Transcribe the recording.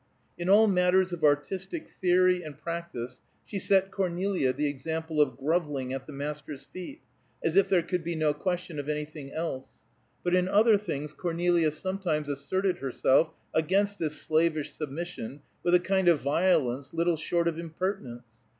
In all matters of artistic theory and practice she set Cornelia the example of grovelling at the master's feet, as if there could be no question of anything else; but in other things Cornelia sometimes asserted herself against this slavish submission with a kind of violence little short of impertinence.